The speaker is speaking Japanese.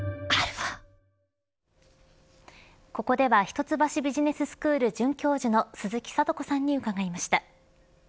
ここでは一橋ビジネススクール准教授の鈴木智子さんに伺いました。